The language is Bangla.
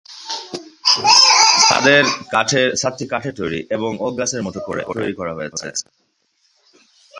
ছাদটি কাঠের তৈরি এবং ওক গাছের মতো করে তৈরি করা হয়েছে।